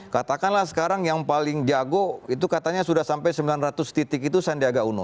katakanlah sekarang yang paling jago itu katanya sudah sampai sembilan ratus titik itu sandiaga uno